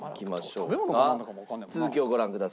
続きをご覧ください。